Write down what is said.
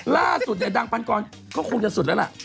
ล่าสุดเนี่ยดังพันกรก็คงจะสุดแล้วล่ะ